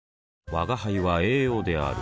吾輩は栄養である